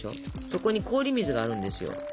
そこに氷水があるんですよ。